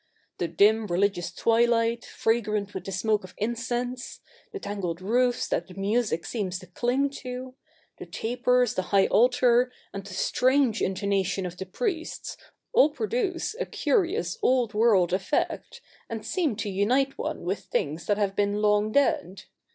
The dim religious twilight, fragrant with the smoke of incense ; the tangled roofs that the music seems to cling to ; the tapers, the high altar, and the strange intonation of the priests, all produce a curious old world effect, and seem to unite one with things that have been long dead.